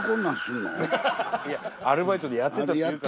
アルバイトでやってたって言うから。